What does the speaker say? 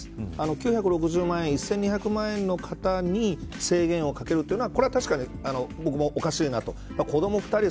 ９６０万円、１２００万円の方に制限をかけるというのはこれは確かに僕もおかしいなと。